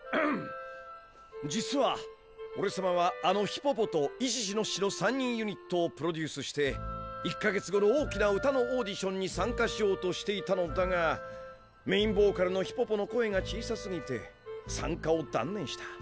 実はおれさまはあのヒポポとイシシノシシの３人ユニットをプロデュースして１か月後の大きな歌のオーディションにさんかしようとしていたのだがメインボーカルのヒポポの声が小さすぎてさんかをだんねんした。